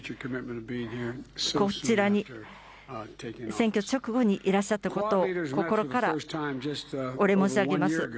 こちらに選挙直後にいらっしゃったことを心からお礼申し上げます。